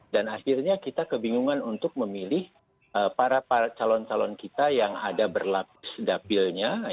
dan akhirnya kita kebingungan untuk memilih para calon calon kita yang ada berlapis dapilnya